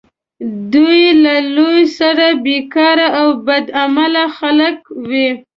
دوی له لویه سره بیکاره او بد عمله خلک وه.